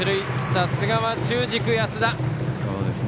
さすがは中軸、安田。